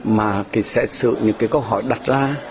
mà thì sẽ sự những cái câu hỏi đặt ra